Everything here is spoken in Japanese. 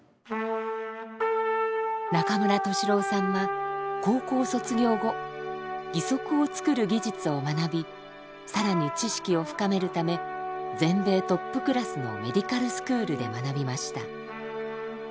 中村俊郎さんは高校卒業後義足をつくる技術を学び更に知識を深めるため全米トップクラスのメディカルスクールで学びました。